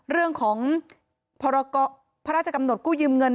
เรื่องของพระราชกำหนดกู้ยืมเงิน